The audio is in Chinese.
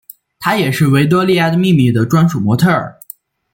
她也是维多利亚的秘密的专属模特儿。